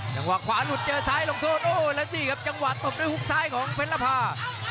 จังหวะขวาหลุดเจอซ้ายลงโทษโอ้แล้วนี่ครับจังหวะตบด้วยฮุกซ้ายของเพชรภา